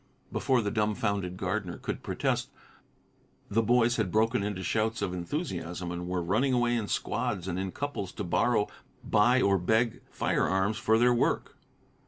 Before the dumfounded gardener could protest, the boys had broken into shouts of enthusiasm, and were running away in squads and in couples to borrow, buy or beg firearms for their work.